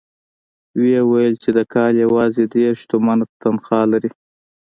ويې ويل چې د کال يواځې دېرش تومنه تنخوا لري.